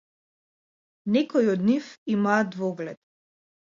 Некои од нив имаа двоглед.